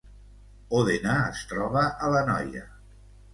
Òdena es troba a l’Anoia